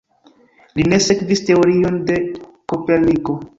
Li ne sekvis teorion de Koperniko.